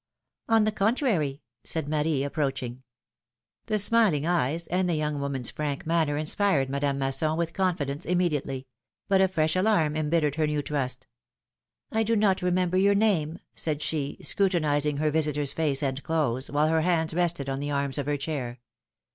On the contrary,'^ said Marie, approaching. The smiling eyes and the young woman's frank manner inspired Madame Masson with confidence immediately; but a fresh alarm embittered her new trust. do not remember your name," said she, scrutinizing her visitor's face and clothes, while her hands rested on the arms of her chair.